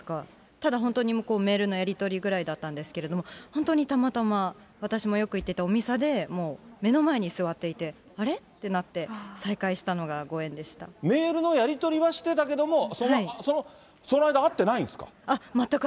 ただ本当にメールのやり取りだけだったんですけど、本当にたまたま、私もよく行ってたお店で目の前に座っていて、あれ？ってなって、メールのやり取りはしてたけども、その、その間、会ってないんですか？